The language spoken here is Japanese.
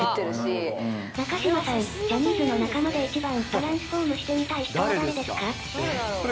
中島さん、ジャニーズの仲間で一番トランスフォームしてみたい人は誰ですか？